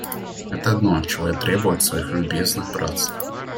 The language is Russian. Это одно, чего я требую от своих любезных братцев.